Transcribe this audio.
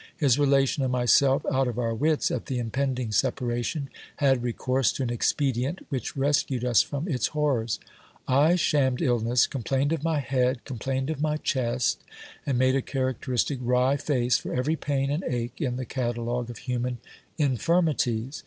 His relation and myself, out of our wits at the impending separation, had re course to an expedient which rescued us from its horrors : I shammed illness, complained of my head, complained of my chest, and made a characteristic wry face for every pain and ache in the catalogue of human infirmities.